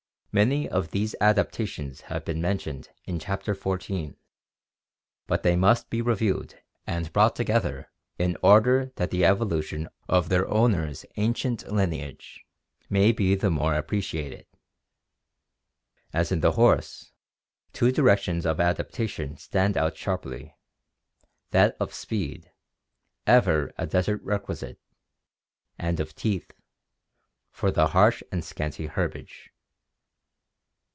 Many of these adaptations have been mentioned in Chapter XXIV, but they must be reviewed and brought together in order that the evolution of their owner's ancient lineage may be the more appre ciated. As in the horse, two directions of adaptation stand out sharply — that of speed, ever a desert requisite, and of teeth, for the harsh and scanty herbage.